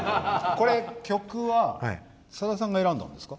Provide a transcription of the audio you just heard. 曲はさださんが選んだんですか？